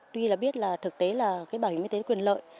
tuy là biết là thực tế là cái bảo hiểm y tế quyền lợi